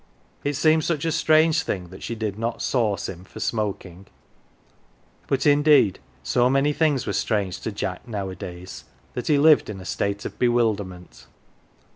It seemed such a strange thing that she did not " sauce "" him for smoking ; but indeed so many things were strange to Jack nowadays, that he lived in a state of bewilderment.